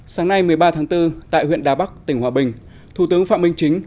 sáng nay một mươi ba tháng bốn tại huyện đà bắc tỉnh hòa bình thủ tướng phạm minh chính